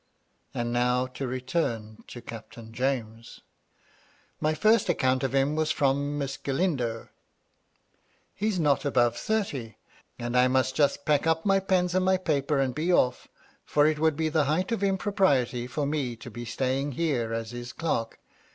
And now to return to Captain James. My first account of him was from Miss Galindo. *' He's not above thirty ; and I must just pack up my pens and my paper, and be off; for it would be the height of impropriety for me to be staying here as his clerk.